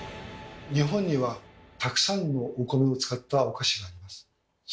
日本にはたくさんのお米を使ったお菓子があります。